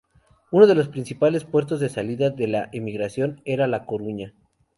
Uno de los principales puertos de salida de la emigración era La Coruña.